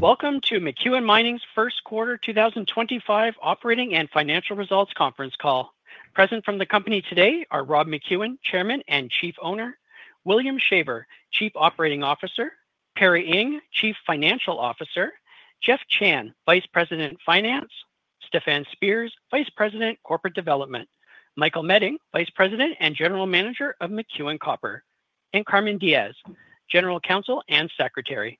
Welcome to McEwen Mining's First Quarter 2025 Operating and Financial Results Conference Call. Present from the company today are Rob McEwen, Chairman and Chief Owner, William Shaver, Chief Operating Officer, Perry Ing, Chief Financial Officer, Jeff Chan, Vice President Finance, Stefan Spears, Vice President Corporate Development, Michael Meding, Vice President and General Manager of McEwen Copper, and Carmen Diges, General Counsel and Secretary.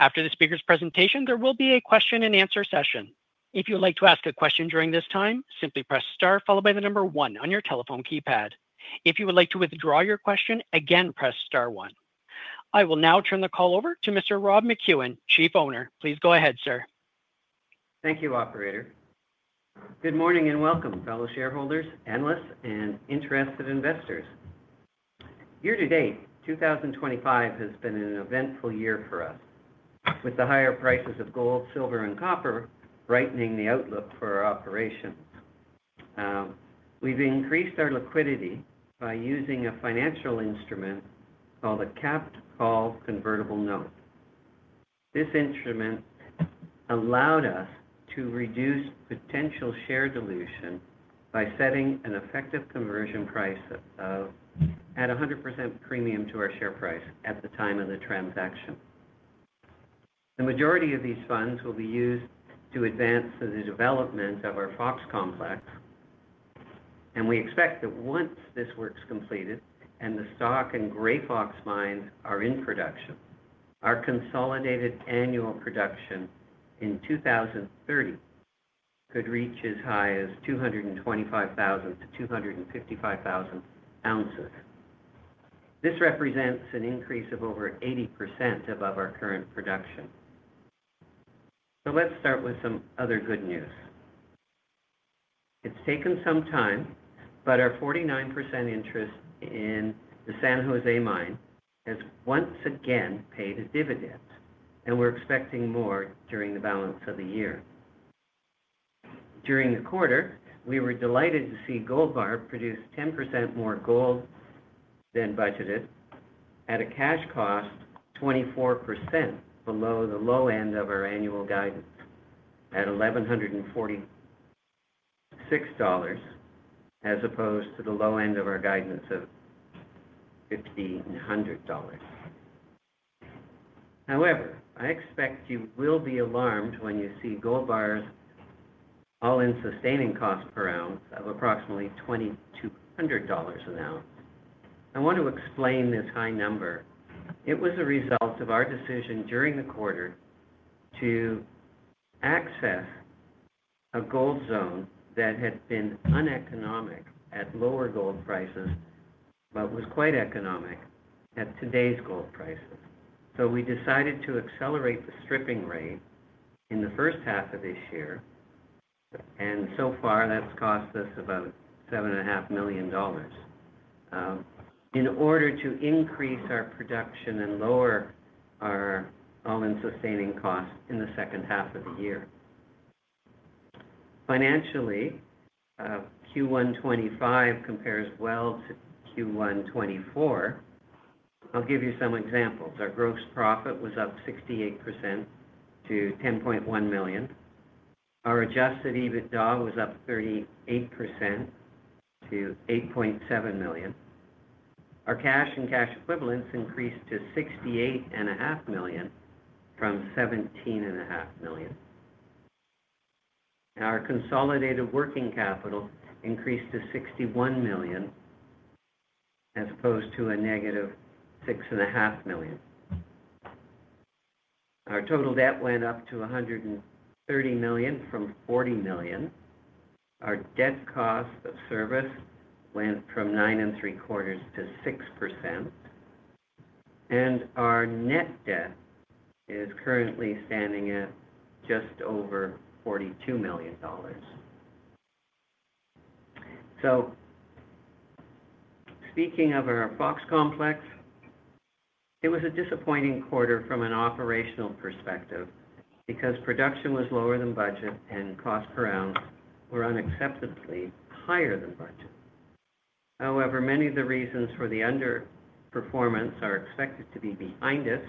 After the speaker's presentation, there will be a question-and-answer session. If you would like to ask a question during this time, simply press star followed by the number one on your telephone keypad. If you would like to withdraw your question, again press star one. I will now turn the call over to Mr. Rob McEwen, Chief Owner. Please go ahead, sir. Thank you, Operator. Good morning and welcome, fellow shareholders, analysts, and interested investors. Year to date, 2025 has been an eventful year for us, with the higher prices of gold, silver, and copper brightening the outlook for our operations. We've increased our liquidity by using a financial instrument called a Capped call convertible note. This instrument allowed us to reduce potential share dilution by setting an effective conversion price at a 100% premium to our share price at the time of the transaction. The majority of these funds will be used to advance the development of our Fox Complex, and we expect that once this work's completed and the stock in Gray FOX Mines are in production, our consolidated annual production in 2030 could reach as high as 225,000-255,000 oz. This represents an increase of over 80% above our current production. Let's start with some other good news. It's taken some time, but our 49% interest in the San José mine has once again paid a dividend, and we're expecting more during the balance of the year. During the quarter, we were delighted to see Gold Bar produce 10% more gold than budgeted, at a cash cost 24% below the low end of our annual guidance at $1,146, as opposed to the low end of our guidance of $1,500. However, I expect you will be alarmed when you see Gold Bar's all-in sustaining cost per oz of approximately $2,200 an oz. I want to explain this high number. It was a result of our decision during the quarter to access a gold zone that had been uneconomic at lower gold prices but was quite economic at today's gold prices. We decided to accelerate the stripping rate in the first half of this year, and so far that's cost us about $7.5 million, in order to increase our production and lower our all-in sustaining cost in the second half of the year. Financially, Q1 2025 compares well to Q1 2024. I'll give you some examples. Our gross profit was up 68% to $10.1 million. Our adjusted EBITDA was up 38%-$8.7 million. Our cash and cash equivalents increased to $68.5 million from $17.5 million. Our consolidated working capital increased to $61 million, as opposed to a negative $6.5 million. Our total debt went up to $130 million from $40 million. Our debt cost of service went from nine and 3/4 to 6%, and our net debt is currently standing at just over $42 million. Speaking of our Fox Complex, it was a disappointing quarter from an operational perspective because production was lower than budget, and cost per oz were unacceptably higher than budget. However, many of the reasons for the underperformance are expected to be behind us,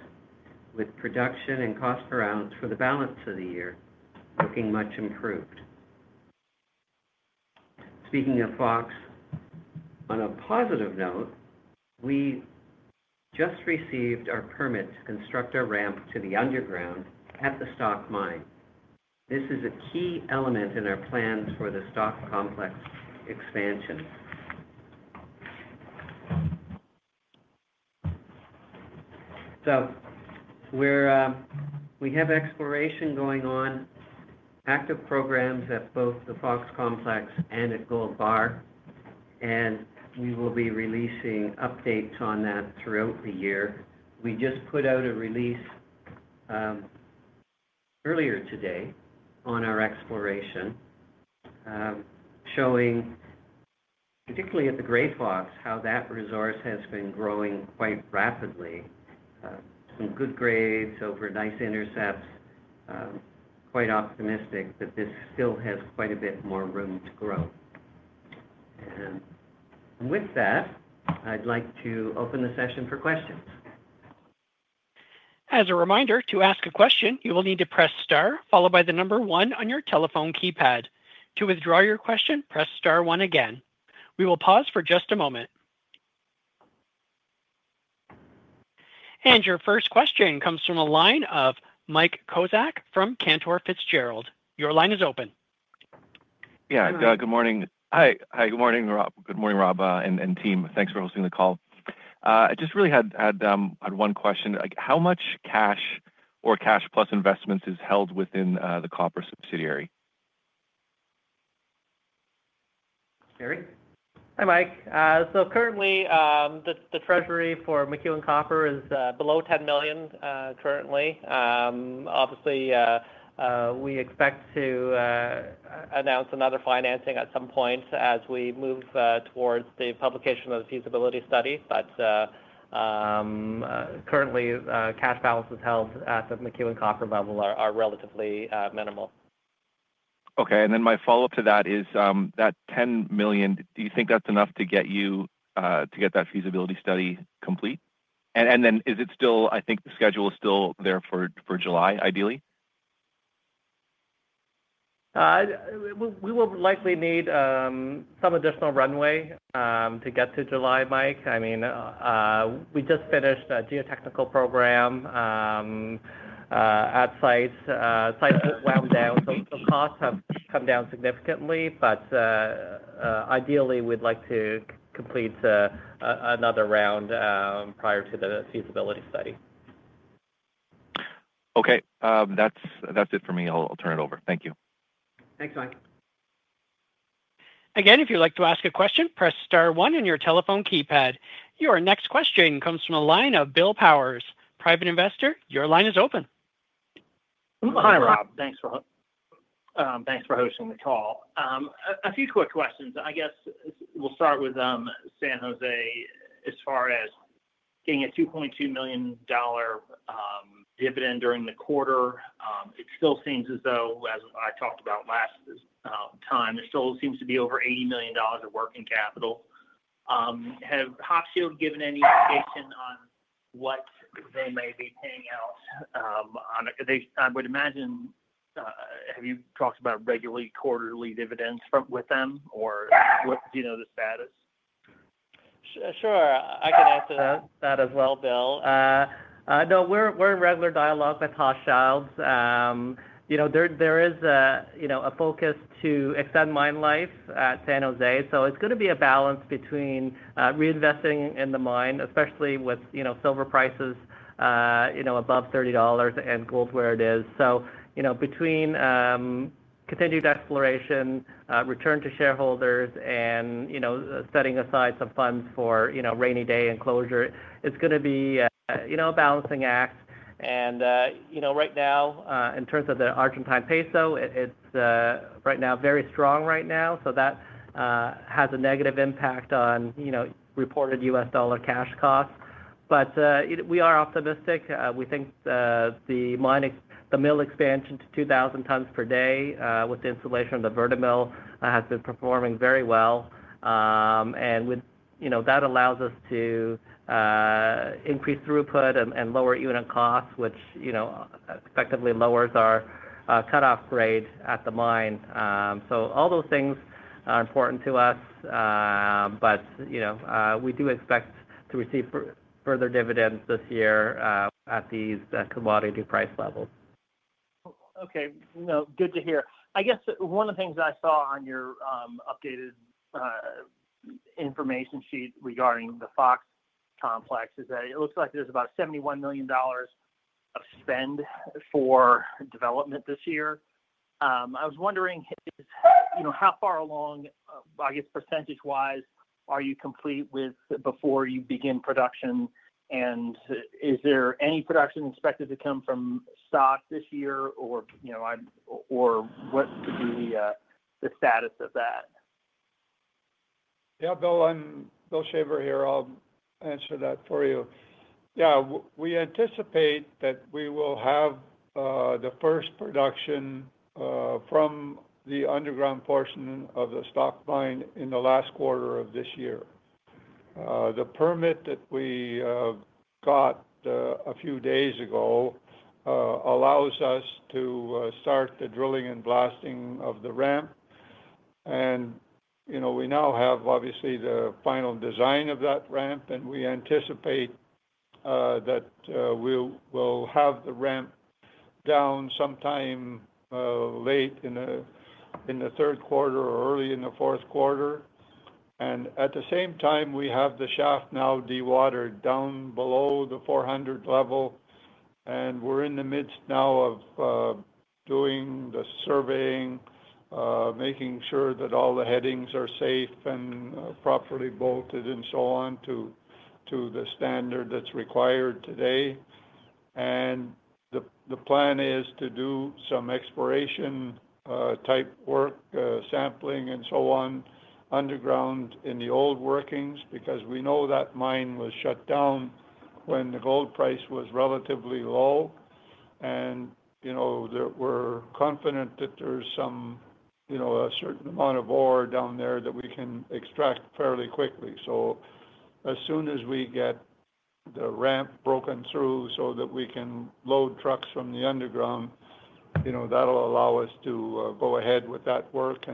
with production and cost per oz for the balance of the year looking much improved. Speaking of Fox, on a positive note, we just received our permit to construct a ramp to the underground at the Stock mine. This is a key element in our plans for the Stock Complex expansion. We have exploration going on, active programs at both the Fox Complex and at Gold Bar, and we will be releasing updates on that throughout the year. We just put out a release earlier today on our exploration, showing particularly at the Grey Fox how that resource has been growing quite rapidly, some good grades over nice intercepts. Quite optimistic that this still has quite a bit more room to grow. With that, I'd like to open the session for questions. As a reminder, to ask a question, you will need to press star followed by the number one on your telephone keypad. To withdraw your question, press star one again. We will pause for just a moment. Your first question comes from a line of Mike Kozak from Cantor Fitzgerald. Your line is open. Yeah, good morning. Hi, good morning, Rob. Good morning, Rob and team. Thanks for hosting the call. I just really had one question. How much cash or cash plus investments is held within the copper subsidiary? Perry? Hi, Mike. Currently, the treasury for McEwen Copper is below $10 million currently. Obviously, we expect to announce another financing at some point as we move towards the publication of the feasibility study. Currently, cash balances held at the McEwen Copper level are relatively minimal. Okay. My follow-up to that is that $10 million, do you think that's enough to get you to get that feasibility study complete? Is it still, I think the schedule is still there for July, ideally? We will likely need some additional runway to get to July, Mike. I mean, we just finished a geotechnical program at sites. Sites have wound down, so the costs have come down significantly. Ideally, we'd like to complete another round prior to the feasibility study. Okay. That's it for me. I'll turn it over. Thank you. Thanks, Mike. Again, if you'd like to ask a question, press star one on your telephone keypad. Your next question comes from a line of Bill Powers. Private investor, your line is open. Hi, Rob. Thanks for hosting the call. A few quick questions. I guess we'll start with San José. As far as getting a $2.2 million dividend during the quarter, it still seems as though, as I talked about last time, there still seems to be over $80 million of working capital. Have Hochschild given any indication on what they may be paying out? I would imagine, have you talked about regular quarterly dividends with them, or do you know the status? Sure. I can answer that as well, Bill. No, we're in regular dialogue with Hochschild. There is a focus to extend mine life at San José. It is going to be a balance between reinvesting in the mine, especially with silver prices above $30 and gold prices. Between continued exploration, return to shareholders, and setting aside some funds for rainy day enclosure, it is going to be a balancing act. Right now, in terms of the Argentine peso, it is very strong right now, so that has a negative impact on reported U.S. dollar cash costs. We are optimistic. We think the mill expansion to 2,000 tons per day with the installation of the VertiMill has been performing very well. That allows us to increase throughput and lower unit costs, which effectively lowers our cutoff grade at the mine. All those things are important to us, but we do expect to receive further dividends this year at these commodity price levels. Okay. Good to hear. I guess one of the things I saw on your updated information sheet regarding the Fox Complex is that it looks like there's about $71 million of spend for development this year. I was wondering how far along, I guess percentage-wise, are you complete before you begin production? Is there any production expected to come from Stock this year, or what would be the status of that? Yeah, Bill, I'm Will Shaver here. I'll answer that for you. Yeah, we anticipate that we will have the first production from the underground portion of the Stock Mine in the last quarter of this year. The permit that we got a few days ago allows us to start the drilling and blasting of the ramp. We now have, obviously, the final design of that ramp, and we anticipate that we'll have the ramp down sometime late in the third quarter or early in the fourth quarter. At the same time, we have the shaft now dewatered down below the 400 level, and we're in the midst now of doing the surveying, making sure that all the headings are safe and properly bolted and so on to the standard that's required today. The plan is to do some exploration-type work, sampling, and so on underground in the old workings because we know that mine was shut down when the gold price was relatively low, and we're confident that there's a certain amount of ore down there that we can extract fairly quickly. As soon as we get the ramp broken through so that we can load trucks from the underground, that'll allow us to go ahead with that work.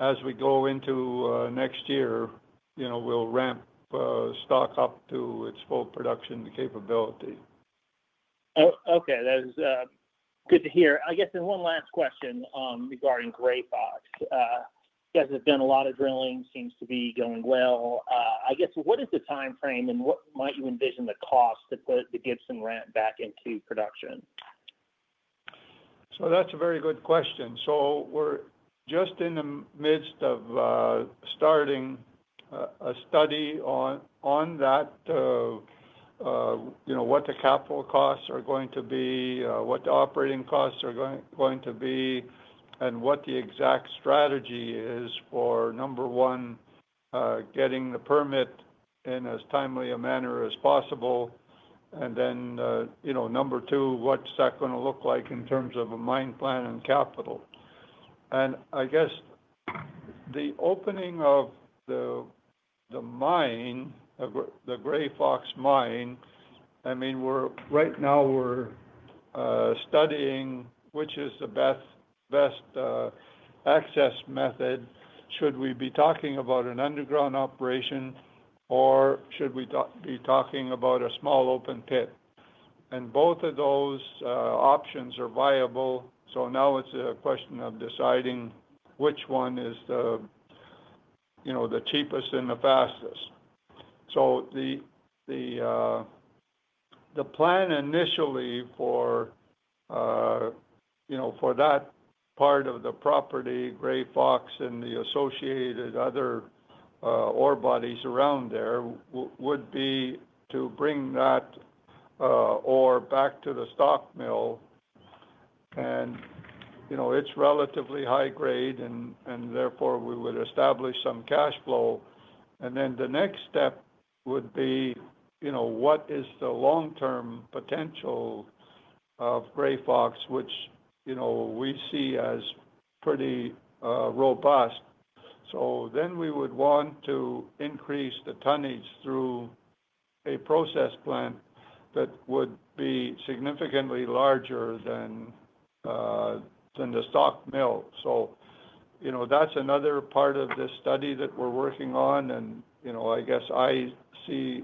As we go into next year, we'll ramp Stock up to its full production capability. Okay. That is good to hear. I guess one last question regarding Grey Fox. You guys have done a lot of drilling. Seems to be going well. I guess what is the time frame and what might you envision the cost to put the Gibson Ramp back into production? That's a very good question. We're just in the midst of starting a study on that, what the capital costs are going to be, what the operating costs are going to be, and what the exact strategy is for, number one, getting the permit in as timely a manner as possible. Then, number two, what's that going to look like in terms of a mine plan and capital? I guess the opening of the mine, the Grey Fox mine, I mean, right now we're studying which is the best access method. Should we be talking about an underground operation, or should we be talking about a small open pit? Both of those options are viable. Now it's a question of deciding which one is the cheapest and the fastest. The plan initially for that part of the property, Grey Fox and the associated other ore bodies around there, would be to bring that ore back to the stock mill. It is relatively high grade, and therefore we would establish some cash flow. The next step would be what is the long-term potential of Grey Fox, which we see as pretty robust. We would want to increase the tonnage through a process plant that would be significantly larger than the stock mill. That is another part of this study that we are working on. I guess I see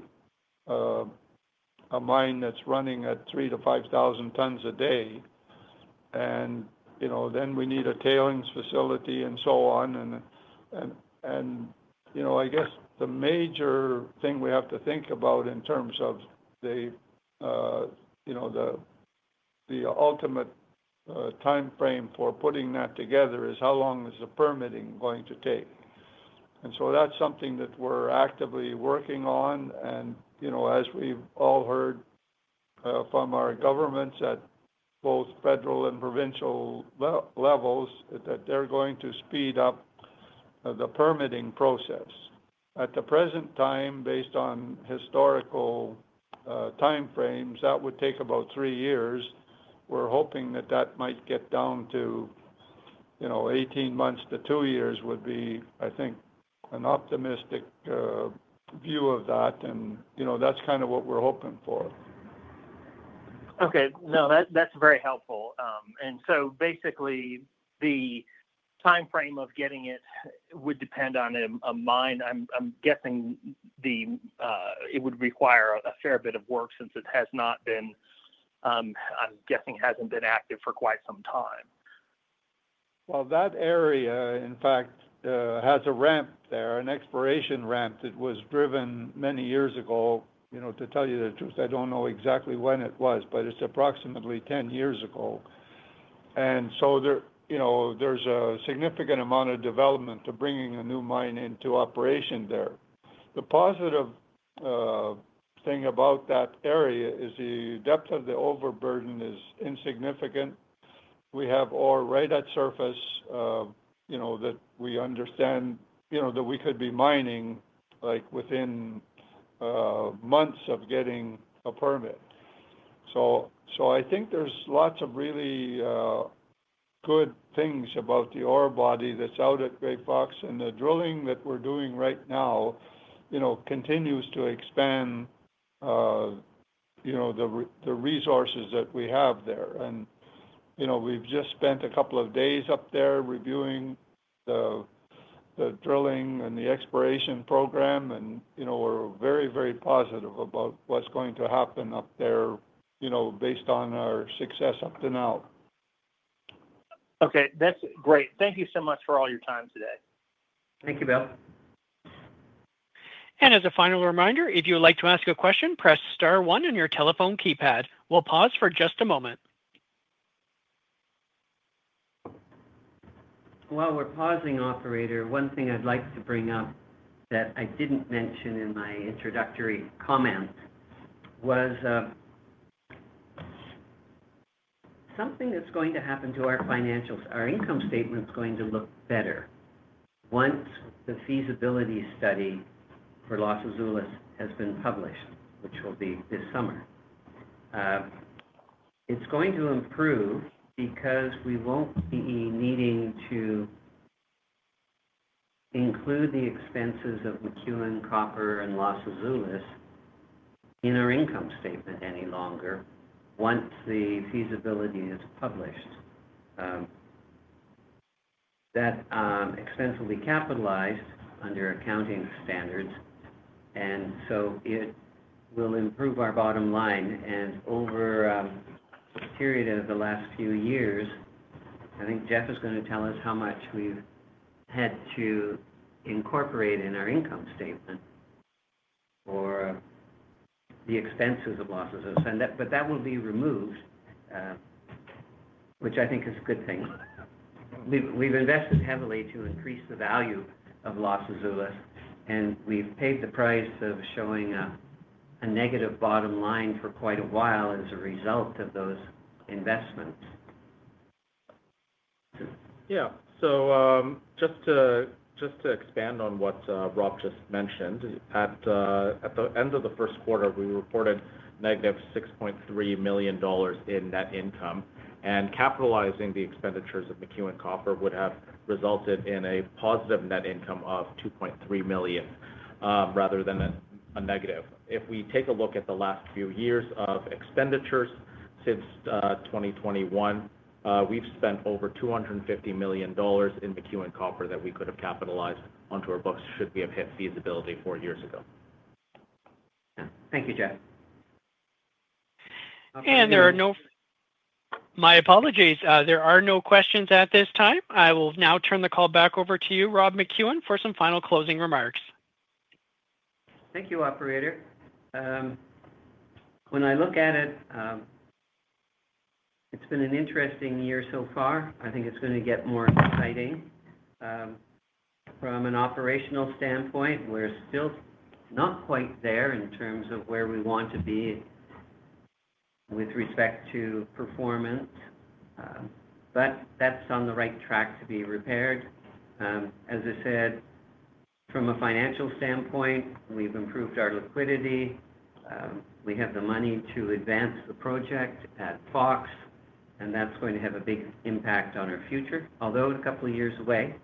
a mine that is running at 3,000-5,000 tons a day. We need a tailings facility and so on. I guess the major thing we have to think about in terms of the ultimate time frame for putting that together is how long is the permitting going to take. That is something that we are actively working on. As we have all heard from our governments at both federal and provincial levels, they are going to speed up the permitting process. At the present time, based on historical time frames, that would take about three years. We are hoping that might get down to 18 months to two years, which would be, I think, an optimistic view of that. That is kind of what we are hoping for. Okay. No, that's very helpful. Basically, the time frame of getting it would depend on a mine. I'm guessing it would require a fair bit of work since it has not been, I'm guessing, hasn't been active for quite some time. That area, in fact, has a ramp there, an exploration ramp that was driven many years ago. To tell you the truth, I do not know exactly when it was, but it is approximately 10 years ago. There is a significant amount of development to bringing a new mine into operation there. The positive thing about that area is the depth of the overburden is insignificant. We have ore right at surface that we understand that we could be mining within months of getting a permit. I think there's are lots of really good things about the ore body that is out at Grey Fox. The drilling that we are doing right now continues to expand the resources that we have there. We have just spent a couple of days up there reviewing the drilling and the exploration program. We are very, very positive about what is going to happen up there based on our success up to now. Okay. That's great. Thank you so much for all your time today. Thank you, Bill. As a final reminder, if you would like to ask a question, press star one on your telephone keypad. We'll pause for just a moment. While we're pausing, operator, one thing I'd like to bring up that I didn't mention in my introductory comment was something that's going to happen to our financials. Our income statement's going to look better once the feasibility study for Los Azules has been published, which will be this summer. It's going to improve because we won't be needing to include the expenses of McEwen Copper and Los Azules in our income statement any longer once the feasibility is published. That expense will be capitalized under accounting standards. It will improve our bottom line. Over the period of the last few years, I think Jeff is going to tell us how much we've had to incorporate in our income statement for the expenses of Los Azules. That will be removed, which I think is a good thing. We've invested heavily to increase the value of Los Azules, and we've paid the price of showing a negative bottom line for quite a while as a result of those investments. Yeah. Just to expand on what Rob just mentioned, at the end of the first quarter, we reported negative $6.3 million in net income. Capitalizing the expenditures of McEwen Copper would have resulted in a positive net income of $2.3 million rather than a negative. If we take a look at the last few years of expenditures since 2021, we've spent over $250 million in McEwen Copper that we could have capitalized onto our books should we have hit feasibility four years ago. Thank you, Jeff. There are no—my apologies. There are no questions at this time. I will now turn the call back over to you, Rob McEwen, for some final closing remarks. Thank you, operator. When I look at it, it's been an interesting year so far. I think it's going to get more exciting. From an operational standpoint, we're still not quite there in terms of where we want to be with respect to performance. That is on the right track to be repaired. As I said, from a financial standpoint, we've improved our liquidity. We have the money to advance the project at Fox, and that's going to have a big impact on our future, although a couple of years away.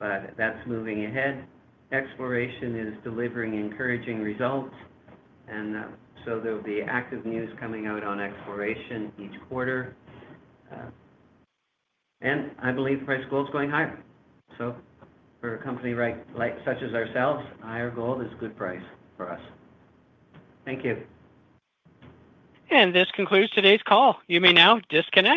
That is moving ahead. Exploration is delivering encouraging results. There will be active news coming out on exploration each quarter. I believe price gold is going higher. For a company such as ourselves, higher gold is a good price for us. Thank you. This concludes today's call. You may now disconnect.